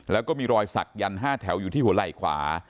แล้วก็มีรอยสักยันต์๕แถวอยู่ที่หัวไหล่ขวา